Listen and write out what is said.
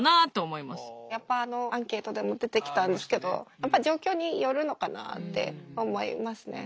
やっぱあのアンケートでも出てきたんですけどやっぱ状況によるのかなって思いますね。